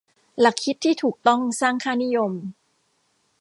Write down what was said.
หลักคิดที่ถูกต้องสร้างค่านิยม